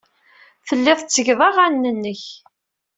Telliḍ tettgeḍ aɣanen-nnek.